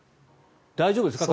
大丈夫ですか？